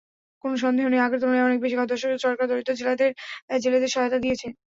কোনো সন্দেহ নেই, আগের তুলনায় অনেক বেশি খাদ্যশস্য সরকার দরিদ্র জেলেদের সহায়তা দিয়েছে।